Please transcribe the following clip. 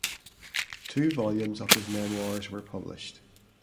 Two volumes of his memoirs were published.